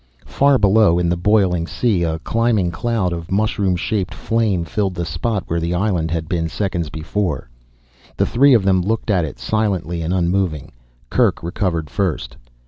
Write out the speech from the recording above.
Far below, in the boiling sea, a climbing cloud of mushroom shaped flame filled the spot where the island had been seconds before. The three of them looked at it, silently and unmoving. Kerk recovered first.